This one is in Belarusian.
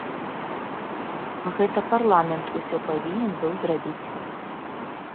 А гэта парламент усё павінен быў зрабіць.